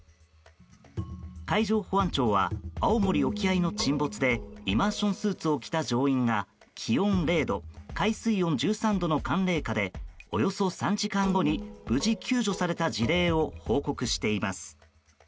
海上保安庁は青森沖合の沈没でイマーションスーツを着た乗員が気温０度、海水温１３度の寒冷下でおよそ３時間後に無事救助された事例を報告しています。